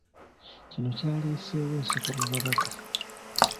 Kino kyaleeseewo enseko mu babaka.